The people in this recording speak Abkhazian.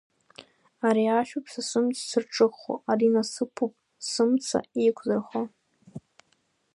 Ари ашәоуп са сымч зырҿыхо, ари насыԥуп сымца еиқәзырхо.